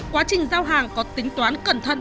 quá trình giao hàng có tính toán cẩn thận